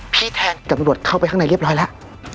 แทนกับตำรวจเข้าไปข้างในเรียบร้อยแล้ว